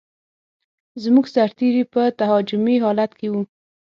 زموږ سرتېري په تهاجمي حالت کې و.